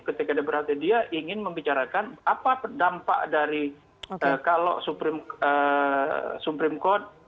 ketika dia berarti dia ingin membicarakan apa dampak dari kalau supreme court